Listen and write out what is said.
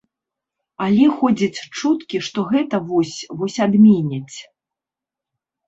Але ходзяць чуткі, што гэта вось-вось адменяць.